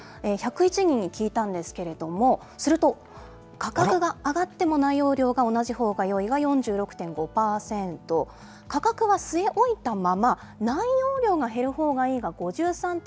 １０１人に聞いたんですけれども、すると、価格が上がっても内容量が同じほうがよいが４６．５％、価格は据え置いたまま内容量が減るほうがいいが５３．５％。